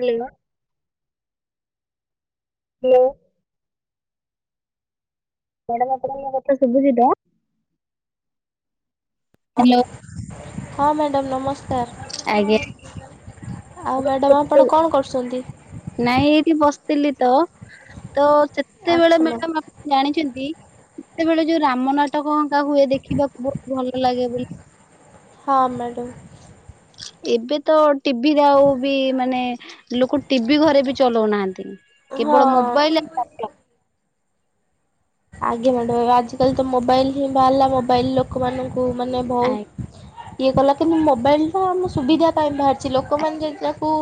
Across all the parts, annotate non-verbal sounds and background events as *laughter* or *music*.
ପ୍ଳିଲ, hello, madam ଆପଣଙ୍କୁ ମୋ କଥା ଶୁଭୁଚିତ। ହ୍ୟାଲୋ, ହଁ ମ୍ୟାଡ଼ାମ ଆଜ୍ଞା। ନମସ୍କାର। ଆଉ ମ୍ୟାଡାମ କେତେ ଆପଣ କଣ କରୁସନ୍ତି? ନାଇଁ ଏଇଠି ବସିଥିଲି ତ, ତ ଆଚ୍ଛା ସେତେବେଳେ ମ୍ୟାମ୍ ମ୍ୟାଡାମ ଆପଣ ଜାଣିଛନ୍ତି ସେତେବେଳେ ଯୋଉ ରାମ ନାଟକ ହୁଏ ଦେଖିବାକୁ ବହୁତ ଭଲ ଲାଗେ ବୋଲି ହଁ ମ୍ୟାଡ଼ମ୍। ଏବେ ତ ଟିଭିରେ ଆଉ ବି ମାନେ ଲୋକ ଟିଭି ଘରେ ବି ଚଲଉନାହାନ୍ତି। ହଁ। କେବଳ ମୋବାଇଲ ଆଜ୍ଞା ମ୍ୟାଡମ୍ ଆଜିକାଲି ତ ମୋବାଇଲ ହିଁ ବାହାରିଲା ମୋବାଇଲ ଲୋକମାନଙ୍କୁ କୁ ମାନେ ବହୁତ ଇଏ କଲା କିନ୍ତୁ ମୋବାଇଲଟା ଆମ ସୁବିଧା ପାଇଁ ବାହାର କିଛି ଲୋକମାନେ ଯଦି ତାକୁ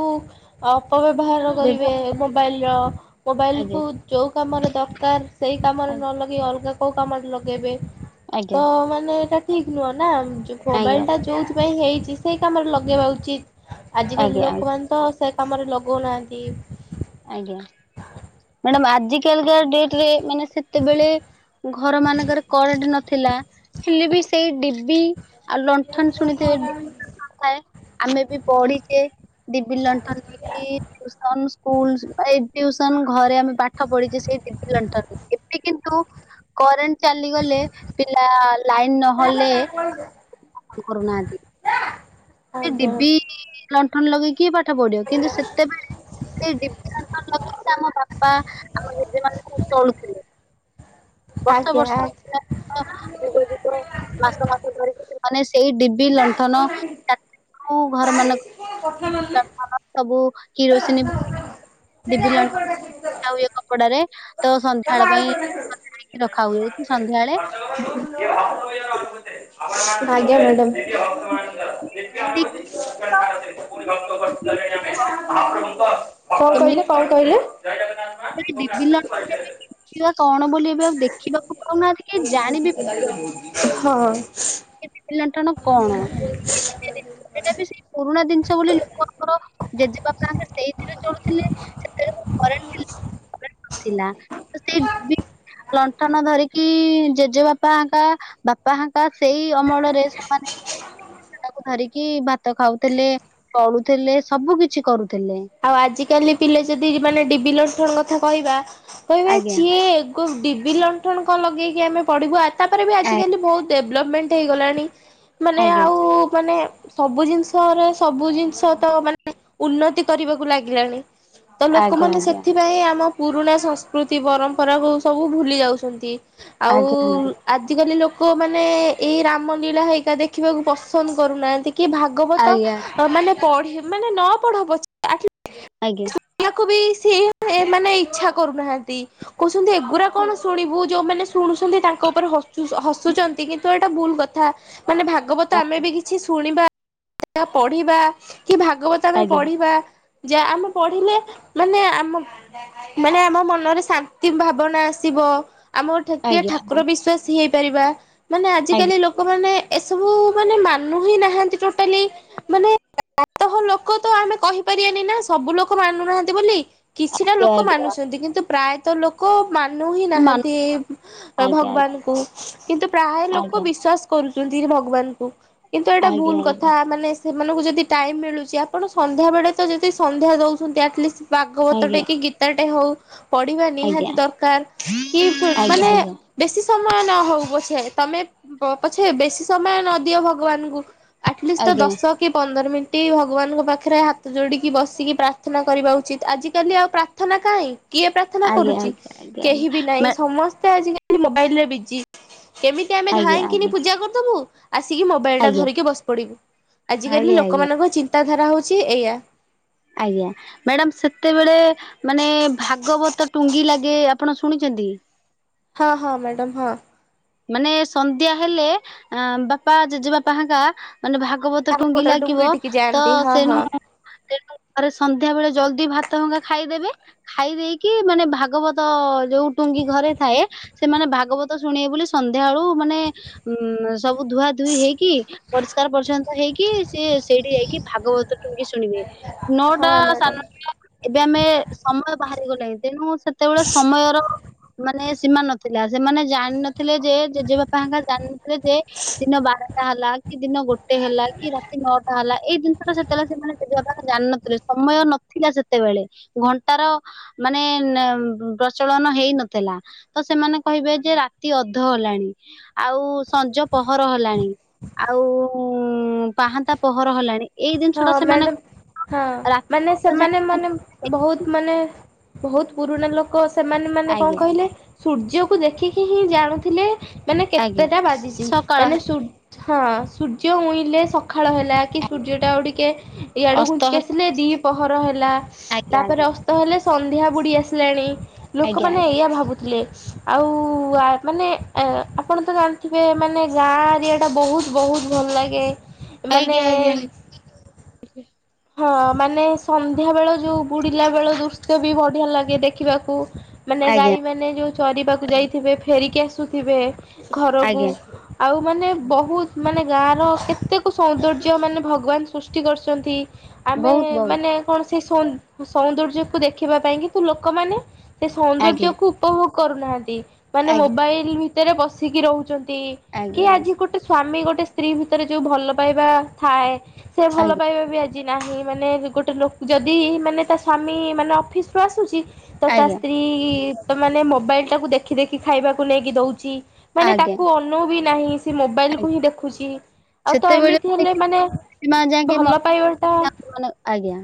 ଅପବ୍ୟବହାର କରିବେ ମୋବାଇଲର ଆଜ୍ଞା ମୋବାଇଲକୁ ଆଜ୍ଞା ଯଉ କାମରେ ଦରକାର ସେଇ କାମରେ ଆଜ୍ଞା ନ ଲଗାଇ ଅଲଗା କେଉଁ କାମରେ ଲଗାଇବେ ଆଜ୍ଞା ତ ମାନେ ଏଇଟା ଠିକ ନୁହଁ ନା ମୋବାଇଲ ଆଜ୍ଞା ଟା ଯୋଉଥି ହେଇଛି ସେଇ କାମରେ ଲଗେଇବା ଉଚିତ। ଆଜିକାଲି ଆଜ୍ଞା ଲୋକମାନେ ତ ସେ କାମରେ ଲଗଉନାହାନ୍ତି ଆଜ୍ଞା ମ୍ୟାଡାମ ଆଜି କାଲିକା ଡେଟରେ ମାନେ ସେତେବେଳେ ଘର ମାନଙ୍କରେ କରେଣ୍ଟ ନଥିଲା ହେଲେ ବି ସେଇ ଡିବି ଆଉ ଲଣ୍ଠନ ଶୁଣିଥିବେ *unintelligible* ନଥାଏ ଆମେ ବି ପଢିଛେ ଡିବି ଲଣ୍ଠନରେ ବି ଟିଉସନ ସ୍କୁଲ, ଏଇ ଟିଉସନ ଘରେ ଆମେ ପାଠ ପଢିଛେ ସେଇ ଡିବି ଲଣ୍ଠନ ରେ ଏବେ କିନ୍ତୁ କରେଂଟ ଚାଲିଗଲେ ପିଲା ଲାଇନ ନହଲେ ପାଠ ପଢୁନାହାନ୍ତି। ଆଜ୍ଞା। ଲଣ୍ଠନ ଲଗେଇକି କିଏ ପାଠ ପଢିବ? କିନ୍ତୁ ସେତେବେଳେ ସେଇ ଡିବି, ଲଣ୍ଠନ ଲଗେଇକି ଆମ ବାପା ଆମ ଜେଜେ ମାନେ ସବୁ ଚଳୁଥିଲେ। ବର୍ଷ ଆଜ୍ଞା ଆ ବର୍ଷ ଦିନ ଦିନ ଯୁଗ ଯୁଗ ମାସ ମାସ ଧରିକି ସେମାନେ ସେଇ ଡି ବି ଲଣ୍ଠନ *unintelligible* ଘର ମାନଙ୍କ ଲଣ୍ଠନ ସବୁ କିରୋସିନ ଡିବି ଲଣ୍ଠନ ପୋଛା ହୁଏ କପଡାରେ ତ ସନ୍ଧ୍ୟା ବେଳ ପାଇଁ ସଜଡ଼ା ହେଇକି ରଖା ହୁଏ, କି ସନ୍ଧ୍ୟାବେଳେ ଆଜ୍ଞା ମ୍ୟାଡାମ କଣ କହିଲେ କଣ କହିଲେ ଏ ଡିବି ଲଣ୍ଠନ *unintelligible* କଣ ବୋଲି ଆଉ ଦେଖିବାକୁ ପାଉନାହାନ୍ତି କି ଜାଣିବି ପାରୁନାହାଁନ୍ତି ହଁ। ସେ ଡିବି ଲଣ୍ଠନ କଣ? ସେ ଟା ବି ସେ ପୁରୁଣା ଜିନି ଷ ବୋଲି ଲୋକମାନଙ୍କର ଜେଜେବାପା ଆଗେ ସେଇଥିରେ ଚଳୁଥିଲେ। ସେଥିରେ *unintelligible* ନଥିଲା ତ ସେଇ *unintelligible* ଲଣ୍ଠନ ଧରିକି ଜେଜେବାପା ହେଙ୍କା ବାପା ହାଙ୍କା ସେଇ ଅମଳରେ ସେମାନେ ତାକୁ ଧରିକି ଭାତ ଖାଉଥିଲେ ଚଳୁଥିଲେ ସବୁ କିଛି କରୁ ଆଉ ଆଜିକାଲି ପିଲେ ଯଦି ମାନେ ଡିବି ଲଣ୍ଠନ କଥା କହିବା କହିବେ ଆଜ୍ଞା ଛି ଡିବି ଲଣ୍ଠଣ କଣ ଲଗେଇକି ଆମେ ପଢ଼ିବୁ, ଆ ତାପରେ ବି ଆଜିକାଲି ବହୁତ ଡେଭଲପମେଣ୍ଟ ହେଇଗଲାଣି, ମାନେ ଆଜ୍ଞା ଆଉ ମାନେ ସବୁ ଜିନିଷରେ ସବୁ ଜିନିଷ ତ ମାନେ ଉନ୍ନତି କରିବାକୁ ଲାଗିଲାଣି। ତ ଆଜ୍ଞା ଲୋକମାନେ ସେଥିପାଇଁ ଆମ ପୁରୁଣା ସଂସ୍କୃତି ପରମ୍ପରାକୁ ସବୁ ଭୁଲି ଯାଉଛନ୍ତି। ଆଉ ଆଜ୍ଞା ଆଜିକାଲି ଲୋକ ମାନେ ଏଇ ରାମ ଲୀଳା ହେଇକା ଦେଖିବାକୁ ପସନ୍ଦ କରୁନାହାନ୍ତି। କି ଭାଗବତ ଆଜ୍ଞା ମାନେ ପଢି ମାନେ ନ ପଢ ପଛେ ଆଜ୍ଞା ଶୁଣିଆକୁ ବି ସେ *unintelligible* ମାନେ ଇଛା କରୁନାହାନ୍ତି, କହୁ ଛନ୍ତି ଏଗୁରା କଣ ଶୁଣିବୁ ଯୋଉମାନେ ଶୁଣୁଛନ୍ତି ତାଙ୍କ ଉପରେ ହସୁ ହସୁଛନ୍ତି କିନ୍ତୁ ଏଟା ଭୁଲ କ ଥା ମାନେ ଆଜ୍ଞା ଭାଗବତ ଆମେ ଆଜ୍ଞା। ବି କିଛି ଶୁଣିବା *unintelligible* ପଢିବା କି ଭାଗବତ ଆମେ ଆଜ୍ଞା ପଢିବା। ଯା ଆମେ ପଢିଲେ ମାନେ ଆମ ମାନେ ଆମ ମନରେ ଶାନ୍ତି ଭାବନା ଆସ ଥିବ ଆମର ଆଜ୍ଞା ଠେକେ ଆଜ୍ଞା ଠାକୁର ବିଶ୍ଵାସି ହେଇପାରିବା, ମାନେ ଆଜ୍ଞା ଆଜିକାଲି ଲୋକମାନେ ଏସବୁ ମାନେ ମାନୁ ହିଁ ନାହାନ୍ତି ଟୋଟାଲି ମାନେ ପ୍ରାୟତଃ ଲୋକ ତ ଆମେ କହି ପାରିବାନି ନା ସବୁ ଲୋକ ମାନୁନାହାନ୍ତି ବୋଲି କିଛିଟା ଆଜ୍ଞା ଲୋକ ଆଜ୍ଞା ମାନୁଛନ୍ତି କିନ୍ତୁ ପ୍ରାୟତଃ ଲୋକ ମାନୁ ହିଁ ମାନ ନାହାନ୍ତି ଏଇ ଆଜ୍ଞା ଆଜ୍ଞା। ଭଗବାନକୁ କିନ୍ତୁ ପ୍ରାୟ ଲୋକ ଆଜ୍ଞା ବିଶ୍ଵାସ କରୁ କରନ୍ତିନି ଭଗବାନକୁ କିନ୍ତୁ ଏଇଟା ଆଜ୍ଞା ଭୁଲ କଥା ମାନେ ସେମାନଙ୍କୁ ଯଦି ଟାଇମ୍ ମିଳୁଛି ଆପଣ ସନ୍ଧ୍ୟାବେଳେ ତ ଯଦି ସନ୍ଧ୍ୟା ଦେଉଛନ୍ତି ଆଟ୍ଲିଷ୍ଟ ଭାଗବତ ଟେ ଆଜ୍ଞା କି ଗୀତାଟେ ହଉ ପଢିବା ନିହାତି ଦରକାର କି ପି ଆଜ୍ଞା ଆଜ୍ଞା ଆଜ୍ଞା ମାନେ ବେଶୀ ସମୟ ନ ହଉ ପଛେ ତମେ ପ-ପଛେ ବେଶି ସମୟ ନଦିଅ ଭଗବାନଙ୍କୁ ଆଟଲିଷ୍ଟ ତ ଆଜ୍ଞା ଦଶ କି ପନ୍ଦର ମିନି ଟି ଭଗବାନଙ୍କ ପାଖରେ ହାତ ଯୋଡିକି ବସିକି ପ୍ରାର୍ଥନା କରିବା ଉଚିତ୍। ଆଜି କାଲି ଆଉ ପ୍ରାର୍ଥନା କାହିଁ କିଏ ପ୍ରାର୍ଥନା କରୁଛି ଆଜ୍ଞା କେହି ବି ନାହିଁ ଆଜ୍ଞା ସମସ୍ତେ ଆଜିକାଲି ମୋବାଇଲ ରେ ବିଜି କେମିତି ଆମେ ଆଜ୍ଞା ଆଜ୍ଞା ଆଜ୍ଞା ଧାଇଁଙ୍କିନି ପୂଜା କରିଦବୁ ଆସିକି ମୋବାଇଲଟା ଆଜ୍ଞା ଧରିକି ବସି ପଡ଼ିବୁ ଆଜିକାଲି ଆଜ୍ଞା ଆଜ୍ଞା ଲୋକମାନଙ୍କ ଚିନ୍ତାଧାରା ହେଉଛି ଏଇଆ। ଆଜ୍ଞା ମ୍ୟାଡାମ ସେତେବେଳେ ମାନେ ଭାଗବତ ଟୁଙ୍ଗି ଲାଗେ ଆପଣ ଶୁଣିଛନ୍ତି? ହଁ ହଁ ମ୍ୟାଡାମ ହଁ। ମାନେ ସନ୍ଧ୍ୟା ହେଲେ ଏଁ ବାପା ଜେଜେବାପା ହେଙ୍କା ମାନେ ଭାଗବତ ଟୁଙ୍ଗି ଲାଗିବ ଡୁଙ୍ଗି ଟିକି ତ ଯାଆନ୍ତି ହଁ ସେଣୁୁ ହଁ ତେଣୁ ଘରେ ସ ନ୍ଧ୍ୟା ବେଳେ ଜଲଦି ଭାତହଙ୍ଗା ଖାଇଦେବେ ଖାଇ ଦେଇକି ମାନେ ଭାଗବତ ଯୋଉ ଟୁଙ୍ଗି ଘରେ ଥାଏ ସେମାନେ ଭାଗବତ ଶୁଣିବେ ବୋଲି ସନ୍ଧ୍ୟା ବେଳୁ ମାନେ ଉଁମ୍ ସବୁ ଧୁଆଁ ଧୁଇଁ ହେଇକି ପରିଷ୍କାର ପରିଛନ୍ନତା ହେଇକି ସିଏ ଇଠି ଯାଇକି ଭାଗବତ ଟୁଙ୍ଗି ଶୁଣିବେ ହଁ ନଅଟା ମ୍ୟାଡାମ ସାନଟା ଏବେ ଆମେ ସମୟ ବାହାର ହେଇଗଲାଣି ତେଣୁ ସେତେବେଳେ ସମୟର ମାନେ ସୀମା ନଥିଲା ସେମାନେ ଜାଣିନ ଥିଲେ ଯେ ଜେଜେବାପାଙ୍କ ଜାଣିଥିଲେ ଯେ ଦିନ ବାରଟା ହେଲା କି ଦିନ ଗୋଟେ ହେଲା କି ରାତି ନଅଟା ହେଲା ଏଇ ଜିନିଟା ସେ ତେଳେ ସେମାନେ ଜେଜେବାପା ଜାଣିନଥିଲେ ସମୟ ନଥିଲା ସେତେବେଳେ ଘଣ୍ଟାର ମାନେ ନେ ପ୍ରଚଳନ ହେଇ ନଥିଲା ତ ସେମାନେ କହିବେ ଯେ ରା ତି ଅଧ ହେଲାଣି ଆଉ ସଞ୍ଜ ପହର ହେଲାଣି ଆଉ ପାହାନ୍ତା ପହର ହେଲାଣି ଏଇ ହଁ ଜିନିଷ ଟା ସେମାନେ ମ୍ୟାଡମ୍ ହଁ ରାତି ମାନେ ଯାଏ। ସେମାନେ ମାନେ ବହୁତ ମାନେ ବହୁତ ପୁରୁଣା ଲୋକ ସେମାନେ ମାନେ କଣ ଆଜ୍ଞା କହିଲେ ଆଜ୍ଞା ସୂର୍ଯ୍ୟକୁ ଦେଖିକି ହିଁ ଜାଣୁଥିଲେ ମାନେ ଆଜ୍ଞା କେତେଟା ବାଜିଛି ସକାଳ ମାନେ ହେଲା, ସୁ ହଁ ସୂର୍ଯ୍ୟ ଉଇଁଲେ ସକାଳ ହେଲା କି ସୂର୍ଯ୍ୟ ଆଉଟିକେ ଇଆଡୁ ଅସ୍ତ ଘୁଞ୍ଚିକି ହେଲା ଆସିଲେ ଦି ପହର ହେଲା ଆଜ୍ଞା ତାପରେ ଆଜ୍ଞା ଅସ୍ତ ହେଲେ ସନ୍ଧ୍ୟା ବୁଡ଼ି ଆସିଲାଣି ଆଜ୍ଞା ଲୋକମାନେ ଏଇଆ ଭାବୁଥିଲେ। ଆଉ ଆ ମାନେ ଏଁ ଆପଣ ତ ଜାଣିଥିବେ ମାନେ ଗାଁ ଏରିଆ ଟା ବହୁତ ବହୁତ ତ୍ ଭଲ ଲାଗେ ମାନେ ଆଜ୍ଞା ଆଜ୍ଞା *inaudible* ଆଜ୍ଞା। ହଁ ମାନେ ସନ୍ଧ୍ୟାବେଳ ଯୋଉ ବୁଡ଼ିଲା ବେଳ ଦୃଶ୍ୟ ବି ବଢ଼ିଆ ଲାଗେ ଦେଖିବାକୁ। ମାନେ ଆଜ୍ଞା ଗାଈ ମାନେ ଯୋଉ ଚରିବାକୁ ଯାଇଥିବେ ଫେରିକି ଆସୁଥିବେ ଘରକୁ ଆଜ୍ଞା ଆଉ ମାନେ ବହୁତ ମାନେ ଗାଁର କେତେକ ସୌନ୍ଦର୍ଯ୍ୟ ମାନେ ଭଗବାନ ସୃଷ୍ଟି କରିଛନ୍ତି। ଆମେ ବହୁତ ବହୁତ ମାନେ କଣ ସେଇ ସୌ-ସୌନ୍ଦର୍ଯ୍ୟକୁୁ ଦେଖିବା ପାଇଁ କିନ୍ତୁ ଲୋକମାନେ ସେ ଆଜ୍ଞା ସୌନ୍ଦର୍ଯ୍ୟ କୁ ଉପଭୋଗ କରୁନାହାନ୍ତି। ମାନେ ଆଜ୍ଞା ମୋବାଇଲ ଭିତରେ ବସିକି ରହୁଛନ୍ତି। କି ଆଜ୍ଞା ଆଜି ଗୋଟେ ସ୍ଵାମୀ ଗୋଟେ ସ୍ତ୍ରୀ ଭିତରେ ଯୋଉ ଭଲ ପାଇବା ଥାଏ। ସେ ଭଲ ଆଜ୍ଞା ପାଇବା ବି ଆ ଜି ନାହିଁ ମାନେ ଗୋଟେ ଲୋ ଯଦି ମାନେ ତା ସ୍ୱାମୀ ମାନେ ଅଫିସ୍ ଆସୁଛି ତ ତା ଆଜ୍ଞା ସ୍ତ୍ରୀ ତ ମାନେ ମୋବାଇଲ ଟାକୁ ଦେଖି ଦେଖି ଖାଇବାକୁ ନେଇକି ଦୋଉଛି ମାନେ ଆଜ୍ଞା ତାକୁ ଅନୋଉ ବି ନାହିଁ ସେ ମୋବାଇଲ କୁ ଆଜ୍ଞା ହିଁ ଦେଖୁଛି। ଆଉ ତ ସେତେବେଳେ ଏମିତି ହେଲେ ମାନେ ଭଲ ପାଇବା ନାଁ ମାନେ ଆଜ୍ଞା।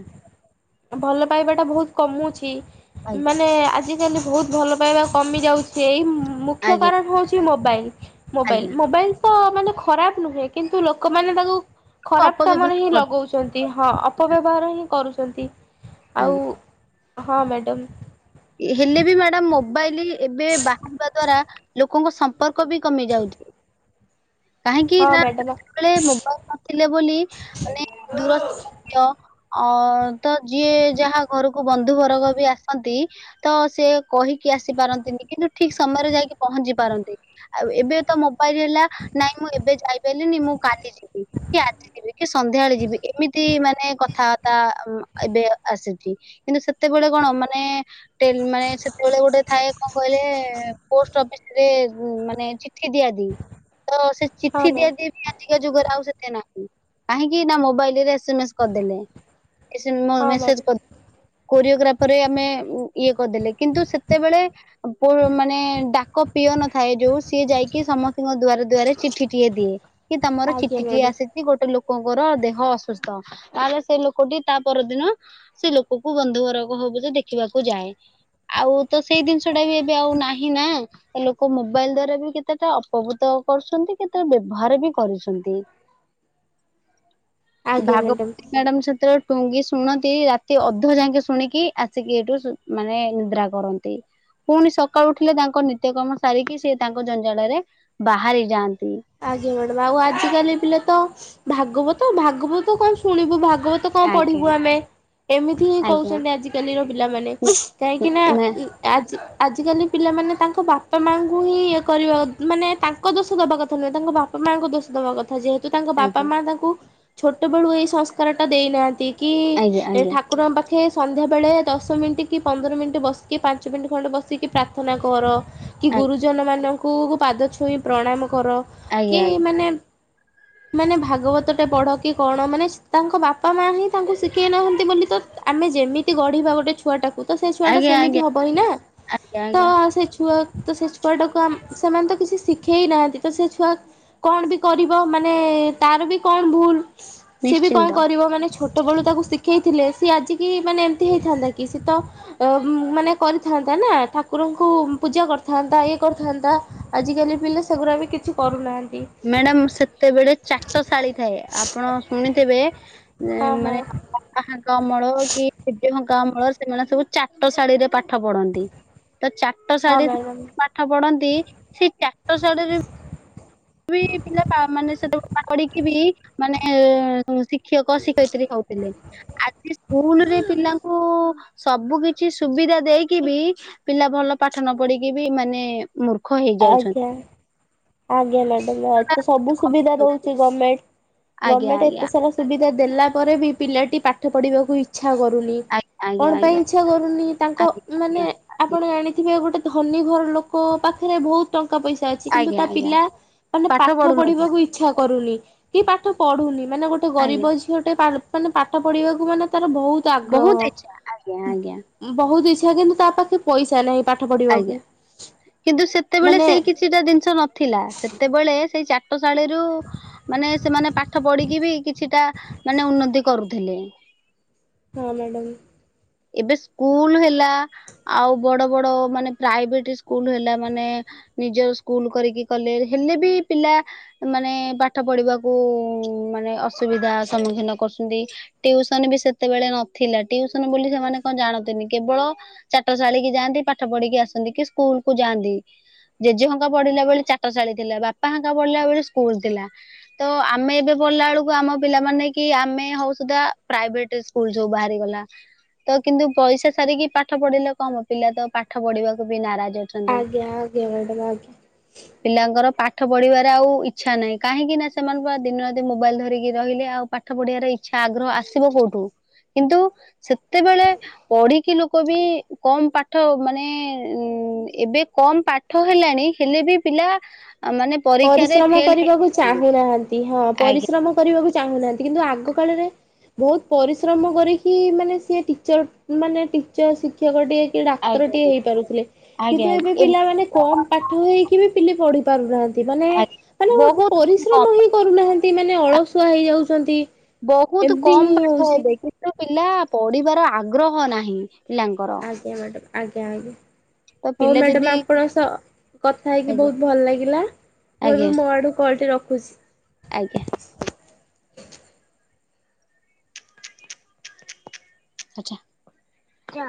ଭଲ ପାଇବା ଟା ବହୁତ କମୁଛି ଆଜ୍ଞା ମାନେ ଆଜି ଜି କାଲି ବହୁତ ଭଲ ପାଇବା କମି ଯାଉଛି ଏଇ ମୁଖ୍ୟ ଆଜ୍ଞା କାରଣ ହୋଉଛି ମୋବାଇଲି। ମୋବାଇଲ ଆଜ୍ଞା ମୋବାଇଲ ତ ମାନେ ଖରାପ ନୁହେଁ କିନ୍ତୁ ଲୋକମାନୋନ ତାକୁ ଖରାପ କାମରେ ଅପବ୍ୟବହାର ହିଁ କରୁ ଲଗୋଉଛନ୍ତି। ହଁ ଅପବ୍ୟବହାର ହିଁ କରୁଛନ୍ତି। ଆଉ ଆଜ୍ଞା ହଁ ମ୍ୟାଡ଼ମ୍। ହେଲେ ବି ମ୍ୟାଡାମ ମୋବାଇଲ ଏବେ ବାହାରିବା ଦ୍ଵାରା ଲୋକଙ୍କ ସମ୍ପର୍କ ବି କମି ଯାଉଛି *inaudible* କାହିଁକି ହଁ ନା ମ୍ୟାଡ଼ାମ ସେତେବେଳେ ମୋବାଇଲ ନଥିଲେ ବୋଲି ମାନେ ଦୂର ସମ୍ପକ୍ରିୟ ଅ ତ ଯିଏ ଯାହା ଘରକୁ ବନ୍ଧୁବରଗ ବି ଆସନ୍ତି ତ ସେ କହିକି ଆସିପାରନ୍ତିନି କିନ୍ତୁ ଠିକ ସମୟରେ ଯାଇକି ପହଞ୍ଚି ପାରନ୍ତି। ଆଉ ଏବେ ତ ମୋବାଇଲ ହେଲା ନାଇଁ ମୁଁ ଏବେ ଯାଇପାଇଲିନି, ମୁଁ କାଲି ଯିବି କି ଆଜି ଯିବି କି ସନ୍ଧ୍ୟାବେଳେ ଯିବି ଏମିତି ମାନେ କଥାବାର୍ତ୍ତା ଅ ଏବେ ଆସୁଚି କିନ୍ତୁ ସେତେବେଳେ କଣ ମାନେ ଟେଲ୍ ମାଏ ସେତେବେଳେ ଗୋଟେ ଥାଏ କଣ କହିଲେ, ପୋଷ୍ଟ ଅଫିସରେ ମାନେ ଚିଠି ଦିଆ ଆଦି ତ ସେ ହଁ ଚିଠି ମ୍ୟାମ୍ ଦିଆଦିଏ ବି ଆଜିକା ଯୁଗରେ ଆଉ ସେତେ ନାହିଁ। କାହିଁକି ନା ମୋବାଇଲରେ ଏସ ମେ ଏସ କରିଦଲେ। ଏଇ ସେ ମୋ ହଁ ମେସେଜ ମ୍ୟାଡ଼ାମ କର କୋରିଓଗ୍ରାଫରେ ଆମେ ଇଏ କରିଦେଲେ କିନ୍ତୁ ସେତେବେଳେ ପୁ ମାନେ ଡାକ ପିଅନ ନଥାଏ ଯୋଉ ସିଏ ଯାଇକି ସମସ୍ତଙ୍କ ଦୁଆର ଦୁଆରେ ଚିଠିଟିଏ ଦିଏ। କି ତମର ଆଜ୍ଞା ଚିଠିଟିଏ ମ୍ୟାଡ଼ାମ ଆସିଚି ଗୋଟେ ଲୋକଙ୍କର ଦେହ ଅସୁସ୍ଥ। ତାହେଲେ ସେ ଲୋକଟି ତା ପରଦିନ ସେ ଲୋକକୁ ବନ୍ଧୁ ଘର ହବ ହବୁ ତ ଦେଖିବାକୁ ଯାଏ। ଆଉ ତ ସେଇ ଜିନିଷ ଟା ବି ଏବେ ଆଉ ନାହିଁ ନା। ଏ ଲୋକ ମୋବାଇଲ ଦ୍ଵାରା ବି କେତେଟା ଅପଭୃତ କରୁଛନ୍ତି କି ତା ବ୍ୟବହାର ବି କରିଛନ୍ତି। ଆଜ୍ଞା ମ୍ୟାଡ଼ାମ। ଭାଗବତୀ ମ୍ୟାଡାମ ସେତେବେଳେ ଟୁଙ୍ଗି ଶୁଣନ୍ତି ରାତି ଅଧ ଯାକେ ଶୁଣିକି ଆସିକି ଏଇଠୁ ମାନେ ନିଦ୍ରା କରନ୍ତି। ପୁଣି ସକାଳୁ ଉଠିଲେ ତାଙ୍କ ନିତ୍ୟକ୍ରମ ସାରିକି ସେ ତାଙ୍କ ଜଞ୍ଜାଳରେ ବାହାରି ଯାଆନ୍ତି। ଆଜ୍ଞା ମ୍ୟାଡାମ। ଆଉ ଆଜିକାଲି ପିଲା ତ ଭାଗବତ ଭାଗବତ କଣ ଶୁଣିବୁ, ଭା ଭାଗବତ କଣ ଆଜ୍ଞା ପଢିବୁ ଆମେ? ଏମିତି ହିଁ ଆଜ୍ଞା କହୁଛନ୍ତି ଆଜିକାଲିର ପିଲାମାନେ। କାହିଁକି ନା ଆଜ୍ଞା ଆଜି ଆଜିକାଲି ପିଲାମାନେ ତାଙ୍କ ବାପା ମାଙ୍କୁ ହିଁ ଇଏ କରିବା ମାନେ ତାଙ୍କ ଦୋଷ ଦବା କଥା ଥା ନୁହେଁ, ତାଙ୍କ ବାପା ମାଆଙ୍କୁ ଦୋଷ ଦବା କଥା। ଯେହେତୁ ତାଙ୍କ ବାପା ଆଜ୍ଞା ମା ତାଙ୍କୁ ଛୋଟବେଳୁ ଏଇ ସଂସ୍କାରଟା ଦେଇନାହାଁନ୍ତି କି ଆଜ୍ଞା ଆଜ୍ଞା ଠାକୁରଙ୍କ ପାଖେ ସନ୍ଧ୍ୟାବେଳେ ଦଶ ମିିଣ୍ଟି କି ପନ୍ଦର ମିିଣ୍ଟି ବସିକି ପାଞ୍ଚ ମିିଣ୍ଟି ଖଣ୍ଡେ ବସିକି ପ୍ରାର୍ଥନା କର କି ଗୁରୁଜନ ମାନଙ୍କୁ ପାଦ ଛୁଇଁ ପ୍ରଣାମ କର, ଆଜ୍ଞା କି ଆଜ୍ଞା ମାନେ ମାନେ ଭାଗବତଟେ ପଢ, କି କଣ ମାନେ ତାଙ୍କ ବାପା ମା ହିଁ ତାଙ୍କୁ ଶିଖେଇ ନାହାଁନ୍ତି ବୋଲି ତ ଆମେ ଯେମିତି ଗଢିବା ଗୋଟେ ଛୁଆଟାକୁ ତ ସେ ଛୁଆଟା ଆଜ୍ଞା ଆଜ୍ଞା ସେମିତି ହବ ହିଁ ନା। ଆଜ୍ଞା ତ ଆଜ୍ଞା ସେ ଛୁଆ ତ ସେ ଛୁଆଟାକୁ ଆମ୍ ସେମାନେ ତ କିଛି ଶିଖେଇ ନାହାଁନ୍ତି ତ ସେ ଛୁଆ କଣ ବି କରିବ ମାନେ ତାର ବି କଣ ଭୁଲ? ସିଏ ବି ନିଶ୍ଚିନ୍ତ। କଣ କରିବ ମାନେ ଛୋଟବେଳୁ ତାକୁ ଶିଖ ଖେଇଥିଲେ, ସିଏ ଆଜିିକି ମାନେ ଏମତି ହେଇଥାନ୍ତା କି ସିଏ ତ ମାନେ କରିଥାନ୍ତା ନା ଠାକୁର ଙ୍କୁ ପୂଜା କରିଥାନ୍ତା, ଇଏ କରିଥାନ୍ତା, ଆଜିକାଲି ପିଲା ସେଗୁଡ଼ା ବି କିଛି କରୁନାହାଁନ୍ତି। ମ୍ୟାଡ଼ାମ ସେତେବେଳେ ଚାଟ ଶାଳୀ ଥାଏ ଆପଣ ଶୁଣିଥିବେ ହଁ ହଁ ମାନେ କକା ହାଙ୍କା ଅମଳ କି ଜେଜେ ହଙ୍କା ଅମଳରେ, ସେମାନେ ସବୁ ଚାଟ ଶାଳୀରେ ପା ପାଠ ପଢନ୍ତି। ତ ହଁ ଚାଟଶାଳୀ ମ୍ୟାଡ଼ାମ ପାଠ ପଢନ୍ତି, ସେ ଚାଟଶାଳୀରେ ଏବେ ବି ପିଲା ମାନେ ସେତେବେଳେ ପାଠ ପଢିକି ବି ମାନେ ଏ ଶି ଶିକ୍ଷକ ଶିକ୍ଷୟିତ୍ରୀ ହଉଥିଲେ। ଆଜି ସ୍କୁଲ୍ ରେ ପିଲାଙ୍କୁ ସବୁ କିଛି ସୁବିଧା ଦେଇକି ବି, ପିଲା ଭଲ ପାଠ ନ ପଢିକି ବି ମାନେ ମୂର୍ଖ ହେଇଯାଉଛନ୍ତି। ଆଜ୍ଞା ଆଜ୍ଞା ମ୍ୟାଡମ୍। ଏତେ ସବୁ ସୁବିଧା ଦଉଛି ଗମେଣ୍ଟ, ଆଜ୍ଞା ଗମେଣ୍ଟ ଏତେ ଆଜ୍ଞା ସାରା ସୁ ସୁବିଧା ଦେଲା ପରେ ବି ପିଲାଟି ପାଠ ପଢିବାକୁ ଇଚ୍ଛା କରୁନି। ଆଜ୍ଞା ଆଜ୍ଞା କଣ ଆଜ୍ଞା। ପାଇଁ ଇଚ୍ଛା କରୁନି, ତାଙ୍କ ଆଜ୍ଞା ମାନେ ଆଜ୍ଞା ଆପଣ ଜାଣିଥିବେ ଗୋଟେ ଧନୀ ଘର ଲୋକ ପାଖ ଖରେ ବହୁତ ଟଙ୍କା ପଇସା ଅଛି କିନ୍ତୁ ଆଜ୍ଞା ତା ଆଜ୍ଞା ପିଲା ମାନେ ପାଠ ପଢିବାକୁ ଇଚ୍ଛା କରୁନି। କି ପାଠ ପଢୁନି। ମାନେ ଗୋଟେ ଆଜ୍ଞା ଗରିବ ଝିଅଟେ ପା ମାନେ ପାଠ ପଢିବାକୁ ମାନେ ତାର ବହୁତ ଆଗ୍ରହ। ବହୁତ ଇଚ୍ଛା ଆଜ୍ଞା ଆଜ୍ଞା ବହୁତ ଇ ଇଚ୍ଛା କିନ୍ତୁ ତା ପାଖେ ପଇସା ନାହିଁ ପାଠ ଆଜ୍ଞା ପଢିବାକୁ। କିନ୍ତୁ ସେତେବେଳେ ମାନେ ସେଇ କିଛିଟା ଜିନିଷ ନଥିଲା। ସେତେବେଳେ ସେଇ ଚା ଟ ଶାଳୀରୁ ମାନେ ସେମାନେ ପାଠ ପଢିକି ବି କିଛିଟା ମାନେ ଉନ୍ନତି କରୁଥିଲେ। *unintelligible* ହଁ ମ୍ୟାଡ଼ମ। ଏବେ ସ୍କୁଲ ହେଲା ଆଉ ବଡ ବଡ ମାନେ ପ୍ରାଇଭେଟ ସ୍କୁଲ ହେଲା ମାନେ ନିଜର ସ୍କୁଲ କରିକି କଲେଜ ହେଲେ ବି ପିଲା ମାନେ ପାଠ ପଢିବାକୁ ମାନେ ଅସୁବିଧା ସମ୍ମୁଖୀନ କରୁଚନ୍ତି ଟିଉସନ ବି ସେତେବେଳେ ନଥିଲା ଟିଉସନ ବୋଲି ସେମାନେ କଣ ଜାଣନ୍ତିନି କେବଳ ଚାଟଶାଳିକି ଯାଆନ୍ତି ପାଠ ପଢିକି ଆସନ୍ତି କି ସ୍କୁଲ କୁ ଯାଆନ୍ତି। ଜେଜେ ହଙ୍କା ପଢିଲା ବେଳେ ଚାଟଶାଳୀ ଥିଲା ବାପା ହାଙ୍କା ପଢିଲା ବେଳେ ସ୍କୁଲ ଥିଲା ତ ଆମେ ଏବ କଲା ବେଳକୁ ଆମ ପିଲାମାନେ କି ଆମେ ହଉ ସୁଧା ପ୍ରାଇଭେଟ ସ୍କୁଲ ସବୁ ବାହାରିଗଲା। ତ କିନ୍ତୁ ପଇସା ସାରିକି ପାଠ ପଢିଲେ କମ ପିଲା ତ ପାଠ ପଢିବାକୁ ବି ନା ଜ ଅଛନ୍ତି ଆଜ୍ଞା ଆଜ୍ଞା ମ୍ୟାଡ଼ାମ ଆଜ୍ଞା। ପିଲାଙ୍କର ପାଠ ପଢ଼ିବାରେ ଆଉ ଇଚ୍ଛା ନାହିଁ କାହିଁକିନା ସେମାନ ପରା ଦିନ ରାତି ମୋବାଇଲ ଧରିକି ରହିଲେ ଆଉ ପଢ଼ିବାର ଇଚ୍ଛା ଆଗ୍ରହ ଆସିବ କୋଉଠୁ କିନ୍ତୁ ସେତେବେଳେ ପଢିକି ଲୋକ ବି କମ ପାଠ ମାନେ ଉ ଏବେ କମ ପାଠ ହେଲାଣି ହେଲେ ବି ପିଲା ମାନେ ପରୀକ୍ଷାରେ ପରିଶ୍ରମ ଫେଲ କରିବାକୁ ହେଇଯାଉଛନ୍ତି। ଚାହୁଁନାହାନ୍ତି ହଁ ଆଜ୍ଞା ପରିଶ୍ରମ କରିବାକୁ ଚାହୁଁ କିନ୍ତୁ ଆଗ କାଳରେ ବହୁତ ପରିଶ୍ରମ କରିକି ମାନେ ସିଏ ଟିଚର ମାନେ ଟିଚର ଶିକ୍ଷକଟିଏ ଆଜ୍ଞା ଡାକ୍ତରଟିଏ ହେଇପାରୁଥିଲେ ଆଜ୍ଞା କିନ୍ତୁ ଏବେ ପିଲାମାନେ କମ ପାଠ ହେଇକି ବି ପିଲି ପ ପାରୁନାହାନ୍ତି ମାନେ ଆଜ୍ଞା ମାନେ ବହୁତ କମ ପରିଶ୍ରମ ହିଁ କରୁନାହାନ୍ତି ମାନେ ଅଳସୁଆ ହେଇଯାଉଚନ୍ତି। ବହୁତ କମ ପାଠ ହେବେ କିନ୍ତୁ ପିଲା ପଢିବାର ଆଗ୍ରହ ନାହିଁ। ପିଲାଙ୍କର। ଆଜ୍ଞା ମ୍ୟାଡ଼ାମ ଆଜ୍ଞା ଆଜ୍ଞା ତ ହଉ ପିଲା ଯଦି ମ୍ୟାଡ଼ାମ ଆପଣଙ୍କ ସହ କଥା ହେଇକି ଆଜ୍ଞା ବହୁତ ଭଲ ଲାଗିଲା। ମୁଁ ବି ଆଜ୍ଞା ମୋ ଆଡୁ କଲଟି ରଖୁଚି। ଆଜ୍ଞା। ଆଛା କିଆ